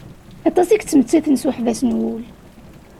Aṭas i yettmettaten s uḥbas n wul.